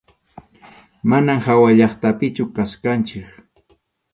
Manam hawallaqtapichu kachkanchik.